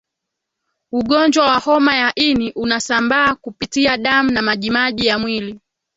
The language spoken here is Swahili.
ugonjwa wa homa ya ini unasambaa kupitia damu na majimaji ya mwili